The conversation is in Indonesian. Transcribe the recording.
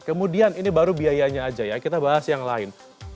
kemudian ini baru biayanya aja ya kita bahas yang lain